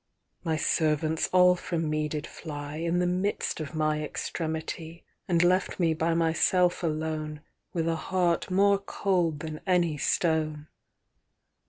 VMy servants all from me did flyIn the midst of my extremity, And left me by myself aloneWith a heart more cold than any stone.